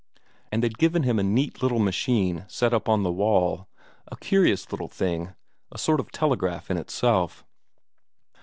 And they'd given him a neat little machine set up on the wall, a curious little thing, a sort of telegraph in itself.